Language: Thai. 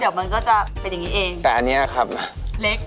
แต่พอเทาะแล้วมันจะเล็กลงมาก